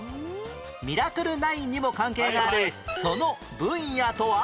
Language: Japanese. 『ミラクル９』にも関係があるその分野とは？